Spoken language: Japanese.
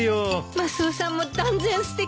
マスオさんも断然すてきだわ。